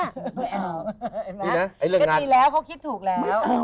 ดีนะกดมีแล้วเขาคิดถูกแล้ว